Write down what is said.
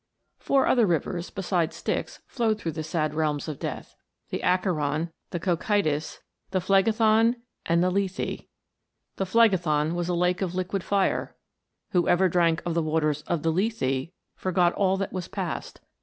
Four other rivers, besides Styx, flowed through the sad realms of Death the Acheron, the Cocytus, the Phlegeton, and the Lethe. The Phlegeton was a lake of liquid fire ; whoever drank of the waters of Lethe forgot all that was past.